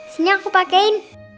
sini aku pakai